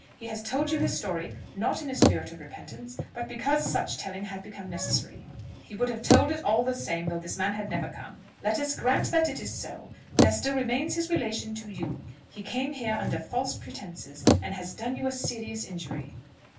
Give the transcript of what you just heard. He has told you his story, not in a spirit of repentance, but because such telling had become necessary." "He would have told it all the same though this man had never come." "Let us grant that it is so, there still remains his relation to you. He came here under false pretences, and has done you a serious injury."